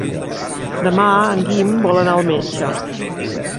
Demà en Guim vol anar al metge.